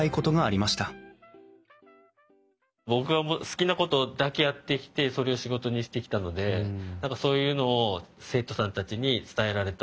僕が好きなことだけやってきてそれを仕事にしてきたので何かそういうのを生徒さんたちに伝えられたらいいなあと思いながら。